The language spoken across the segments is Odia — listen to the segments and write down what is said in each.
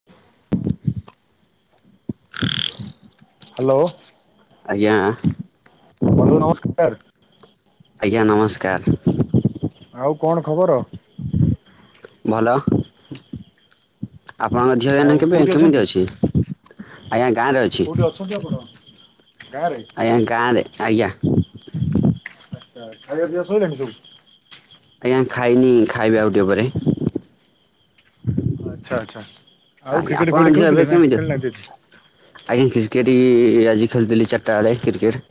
[inaudible] ହାଲୋ ଆଜ୍ଞା ବନ୍ଧୁ ନମସ୍କାର। ଆଜ୍ଞା ନମସ୍କାର। ଆଉ କଣ ଖବର? ଭଲ ଆପଣଙ୍କ ଝିଅ ଏଇନା ଆଉ କେବେ କୋଉଠି କେମିତି ଅଛନ୍ତି? ଅଛି? ଆଜ୍ଞା ଗାଁ ରେ ଅଛି। କୋଉଠି ଅଛନ୍ତି ଆପଣ ଗାଁରେ ଆଜ୍ଞା ଗାଁରେ ଆଜ୍ଞା। ଆଚ୍ଛା ଖାୟା ପିଆ ସାଇଲାଣି ସବୁ ଆଜ୍ଞା ଖାଇନି ଖାଇବି ଆଉ ଟିକେ ପରେ ଆଚ୍ଛା ଆଚ୍ଛା ଆଉ ଆଜ୍ଞା କ୍ରିକେଟେ ଆପଣଙ୍କ ଫିକେଟେ ଝିଅ ଏବେ ଖେଳୁଥିଲେ ନା କେମିତି ଖେଳିନାହାନ୍ତି ଆଜି ଆଜ୍ଞା କ୍ରିକେଟି ଆଜି ଖେଳିଥିଲି ଚାରିଟା ୟେଳେ କ୍ରିକେଟ୍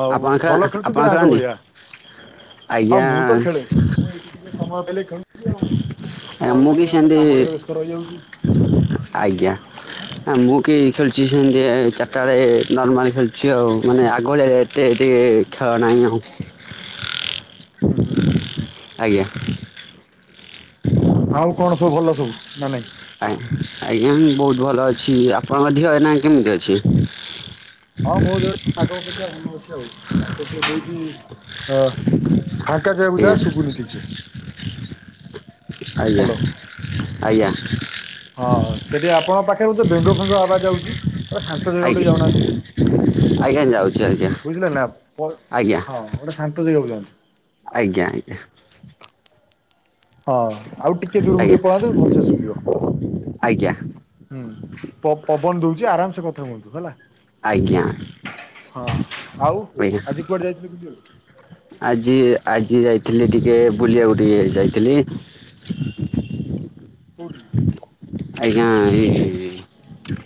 ଆଉ ଆପଣ ଖେ ଭଲ ଖେଳୁଛନ୍ତି ଆପଣ ନା ଆଗ ଖେଳନ୍ତି ଭଳିଆ ହଁ ଆଜ୍ଞା ମୁଁ ତ ଖେଳେ ମୁଁ ଏଇଠି ଟିକେ ସମୟ ପାଇଲେ ଖେଳୁଛି ଆଉ ଆଜ୍ଞା ନହେଲେ ମୁଁ କି ନାହିଁ ଆଉ ତ ସେମିତି କାମରେ ବ୍ୟସ୍ତ ରହିଯାଉଛି। ଆଜ୍ଞା ଆ ମୁଁ କି ଖେଳୁଛି ସେମିତି ଚାରିଟା ୟେଳେ ନର୍ମାଲ ଖେଳୁଛି ଆଉ ମାନେ ଆଗ ହଳିଆ ତେ ଏଇଠି ଖେଳ ନାହିଁ ଆଉ [inaudible] ଆଜ୍ଞା ଆଉ କଣ ସବୁ ଭଲ ସବୁ ନା ନାଇ ଆ ଆଜ୍ଞା ମୁ ବହୁତ ଭଲ ଅଛି ଆପଣଙ୍କ ଧିଅ ଏଇନା କେମିତି ଅଛି? ହ ମୋ ଦେହ ଆଗ ଅପେକ୍ଷା ଭଲ ଅଛି ଆଉ ତାଙ୍କର ଟିକେ ହେଉଚି ଅ। ଫାଙ୍କା ଯାଗାକୁ ଯା ଆଜ୍ଞା? ଶୁଭୁନି କିଛି। ଆଜ୍ଞା ଆଜ୍ଞା ହଁ ସେଠି ଆପଣଙ୍କ ପାଖେ ବୋଧେ ବେଙ୍ଗ ଫେଙ୍ଗ ଆବାଜ ଆଉଛି ଗୋଟେ ଶାନ୍ତ ଜାଗାକୁ ଟିକେ ଆଜ୍ଞା ଯାଉନାହାନ୍ତି। ଆଜ୍ଞା ଯାଉ ବୁଝିଲେ ନା ବ ହଁ ଗୋଟେ ଶାନ୍ତ ଜାଗାକୁ ଯଆନ୍ତୁ। ଆଜ୍ଞା ଆଜ୍ଞା ହ ଆଉ ଟିକେ ଦୂରକୁ ଟିକେ ପଳାନ୍ତୁ ଭଲସେ ଶୁଭିବ। ଆଜ୍ଞା ହୁଁ ପ ପବନ ଦଉଛି ଆରାମସେ କଥା ହୁଅନ୍ତୁ ହେଲା। ଆଜ୍ଞା ହଁ ଆଉ ଆଜ୍ଞା ଆଜି କୁଆଡେ ଯାଇଥିଲୁ ବୁଲିବାକୁ? ଆଜି ଆଜି ଯାଇଥିଲି ଟିକେ ବୁଲିୟାକୁ ଟିକେ ଯାଇଥିଲି। କଉଠି? ଆଜ୍ଞା ଏଇ।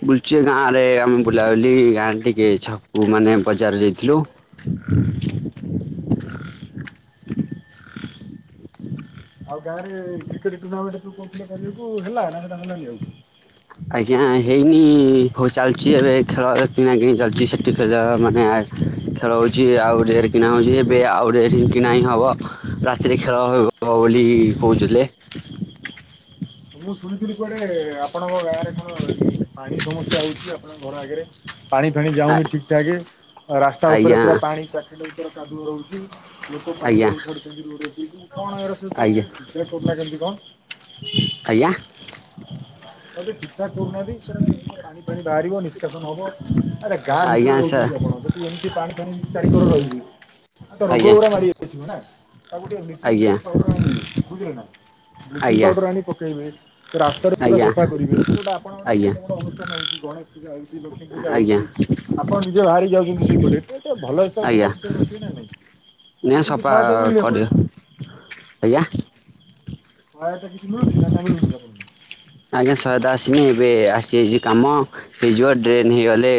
ବୁଲୁଚି ଗାଁ ରେ ଆମେ ବୁଲାବୁଲି ଗାଁରେ ଟିକେ ଛକୁକୁ ମାନେ ବଜାର ଯାଇଥିଲୁ। [inaudible] [unintelligible] ଆଉ ଗାଁରେ କ୍ରିକେଟ ଟୁର୍ଣ୍ଣାମେଣ୍ଟ ତୁ କହୁଥିଲୁ ଖେଳିବାକୁ ହେଲା ନା ହେଲାନି ଆଉ। ଆଜ୍ଞା, ହେଇନି ହଉ ଚାଲିଛି ଏବେ ଖେଳ କିଣା କିିଣି ଚାଲିଛି ସେଟି ଖଟି ଖ ଯା ମାନେ ଆ [inaudible] ଖେଳ ହଉଛି ଆଉ ଗୋଟେ ଜାଗାରେ କିଣା ହଉଛି ଏବେ ଆଉ ଗୋଟେ ଏଠି କିଣା ହିଁ ହବ ରାତିରେ ଖେଳ ହବ। ହଵ ବୋଲି କହୁଥିଲେ। ମୁଁ ଶୁଣିଥିଲି କୁଆଡେ ଆପଣଙ୍କ ଗାଁରେ କଣ ଏଇ ଯୋଉ ପାଣି ସମସ୍ୟା ହଉଛି ଆପଣଙ୍କ ଘର ଆଗରେ। ପାଣି ଫାଣି ଯାଉନି ଠିକ ଠାକ ରାସ୍ତା ଉପରେ ଆଜ୍ଞା ପୁରା ପାଣି ଚାଖଣ୍ଡେ ଉପରେ କାଦୁଅ ରହୁଛି। ଲୋକ ପାଣି ଆଜ୍ଞା ସବୁ ଛାଡଛନ୍ତି ରୋଡ ଉପରେ କଣ ଆଜ୍ଞା [inaudible] [inaudible] କେମିତି କଣ? ଆଜ୍ଞା ବଧେ ଠିକ ଠାକ କରୁନାଁହାନ୍ତି ସେଟା କେମିତି କଣ। ପାଣି ଫାଣି ବାହାରିବ ନିଷ୍କାସନ ହେବ ଆରେ ଗାଁ ଆଜ୍ଞା ଭିତରେ ସାର୍ ରହୁଛନ୍ତି ଆପଣ ଯଦି ଏମିତି ପାଣି ଫାଣି- ଚାରିିକର ରହିବେ ତ ରୋଗ ଆଜ୍ଞା ଗୁଡା ମାଡି ଆସିବ ନା ତାକୁ ଟିକେ ବ୍ଲିଚିଂ ଆଜ୍ଞା ଫ୍ଲିଛିଂ ପାଉଡ଼ର ଆଣିକି ବୁଝିଲେ ନା ବ୍ଲିଚିଂ ଆଜ୍ଞା ପାଉଡର ପକେଇବେ। ସେ ରାସ୍ତାରେ ପୁରା ଆଜ୍ଞା ସଫା କରିବେ ସେଠି ଗୋଟେ ଆପଣଙ୍କର ଗୋଟେ ଆଜ୍ଞା କେତେ ବଡ ଅନୁଷ୍ଠାନ ହଉଛି। ଗଣେଷ ପୂଜା ହଉଛି, ଲକ୍ଷ୍ମୀ ପୂଜା ଆଜ୍ଞା ହଉଛି ଆପଣ ନିଜେ ବାହାରି ଯାଉଛନ୍ତି ସେଇପଟେ ଏଇଟା ଗୋଟେ ଭଲ ଆଜ୍ଞା ସଫାସୁତୁରା ରଖିବେ ନା ନାଇଁ ନା କିଛି ସଫା ସହାୟତା ମିଳୁନି କରିବ ଆପଣଙ୍କୁ? ଆଜ୍ଞା ସହାୟତା କିଛି ମିଳୁଛି ନା ମିଳୁନି ଅପଣଙ୍କୁ? ଆଜ୍ଞା ସହାୟତା ଆସିନି ଏବେ ଆସିଯାଇଛି କାମ। ହେଇଯିବ ଡ୍ରେନ୍ ହେଇଗଲେ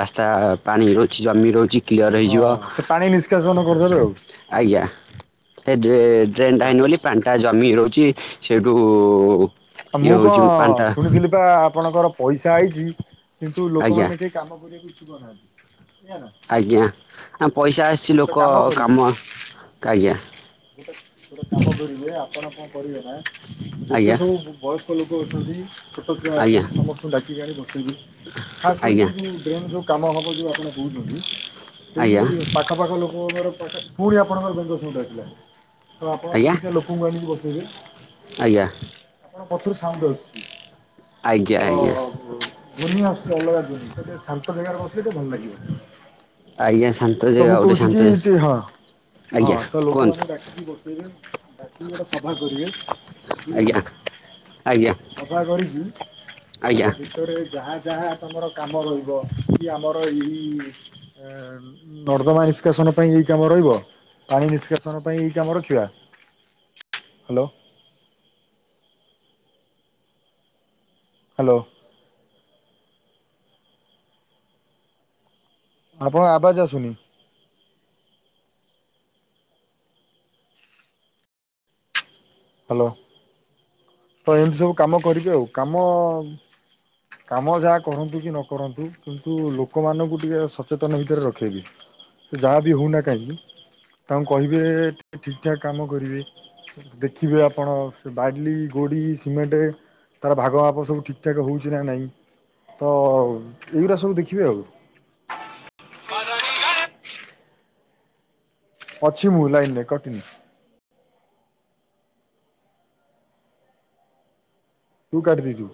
ରାସ୍ତା ପାଣି ରହୁଛି ଜମି ରହୁଛି କ୍ଲିୟର ହେଇଯିବ। ହଁ ସେ ପାଣି ନିଷ୍କାସନ କରିଦେବେ ଆଉ ଆଜ୍ଞା ସେ ତ୍ରେ ଡ୍ରେନ୍ ଟା ଆଚ୍ଛା ହେଇନି ବୋଲି - ପାଣିଟା ଜମି ରହୁଛି। ସେଇଠୁ ଇଏ ମୁଁ ହେଉଛି କଣ ପାଣିଟା ଶୁଣିଥିଲି? ପା ଆପଣଙ୍କର ପଇସା ଆଇଛି କିନ୍ତୁ ଆଜ୍ଞା ଲୋକମାନେ କେହି କାମ କରିବାକୁ ଇଚ୍ଛୁକ ନାହାନ୍ତି। ଏଇଆ ନା ଆଜ୍ଞା ପଇସା ଆସିଛି ଗୋଟେ ଲୋକ କାମ କରିବେ କାମ ଆଜ୍ଞା ଗୋଟେ, ଗୋଟେ କାମ କରିବେ ଆପଣ କଣ କରିବେ ନା ଯେତେ ଆଜ୍ଞା ସବୁ ବୟସ୍କ ଲୋକ ଅଛନ୍ତି ଛୋଟ ଛୁଆ ଆଜ୍ଞା ଅଛନ୍ତି ସମସ୍ତଙ୍କୁ ଡାକିକି ଆଣି ବସେଇବେ। ଖାସ୍ କରି ଆଜ୍ଞା ସେ ଯେଉଁ ଡ୍ରେନ୍ ଯୋଉ କାମ ହେବ ଯୋଉ ଆପଣ କହୁଛନ୍ତି। ସେଇ ଆଜ୍ଞା ପାଖ ପାଖ ଲୋକଙ୍କର ପାଖେ ପୁଣି ଆପଣଙ୍କର ବେଙ୍ଗ ସାଉଣ୍ଡ ଆସିଲା ତ ଆପଣ ଆଜ୍ଞା ସେମିତିଆ ଲୋକଙ୍କୁ ଆଣିକି ବସେଇବେ ଆଜ୍ଞା ଆପଣ ପଛରୁ ସାଉଣ୍ଡ ଆସୁଛି। ଆଜ୍ଞା ତ ଆଜ୍ଞା ଧ୍ୱନି ଆସୁଛି ଅଲଗା ଜାଗା ଶାନ୍ତ ଜାଗାରେ ବସିଲେ ଟିକେ ଭଲ ଆଜ୍ଞା ଲାଗିବ। ଶାନ୍ତ ତ ଜାଗା ମୁଁ ଗୋଟେ କହୁଛି ଶାନ୍ତ କି ଟି ହଁ ହଁ ଆଜ୍ଞା ତ କୁହନ୍ତୁ ଲୋକମାନଙ୍କୁ ଡାକିକି ବସେଇବେ। ଡ଼ାକିକି ଗୋଟେ ସଭା କରିବେ ବୁଝିଲେ ଆଜ୍ଞା ନା। ଆଜ୍ଞା ଆଜ୍ଞା ସଭା କରିକି ତା ଆଜ୍ଞା ଭିତରେ ଯାହା ଯାହା ତମର କାମ ରହିବ କି ଆମର ଏଇ ଆଁ ନର୍ଦ୍ଦମା ନିଷ୍କାସନ ପାଇଁ ଏଇ କାମ ରହିବ। ପାଣି ନିଷ୍କାସନ ପାଇଁ ଏଇ କାମ ରଖିବା। ହ୍ୟାଲୋ ହ୍ୟାଲୋ ଆପଣଙ୍କ ଆବାଜ ଆସୁନି? ହ୍ୟାଲୋ। ତ ଏମିତି ସବୁ କାମ କରିକି ଆଉ କାମ କାମ ଯାହା କରନ୍ତୁ କି ନ କରନ୍ତୁ କିନ୍ତୁ ଲୋକମାନଙ୍କୁ ଟିକେ ସଚେତନ ଭିତରେ ରଖେଇକି। ସେ ଯାହା ବିି ହଉନା କାହିଁକି ତାଙ୍କୁ କହିବେ ଠିକ୍ ଠାକ୍ କାମ କରିବେ। ଦେଖିବେ ଆପଣ ସେ ବାଲି ଗୋଡ଼ି, ସିମେଣ୍ଟେ ତାର ଭାଗ ମାପ ସବୁ ଠିକଠାକ ହଉଚି ନା ନାହିଁ। ତ ଏଉରା ସବୁ ଦେଖିବେ ଆଉ। ଅଛି ମୁଁ ଲାଇନ୍ରେ କଟିିନି। ତୁ କାଟି ଦେଇଚୁ।